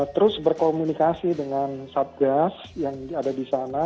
terus berkomunikasi dengan satgas yang ada di sana